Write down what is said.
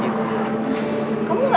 ternyata isinya foto foto gitu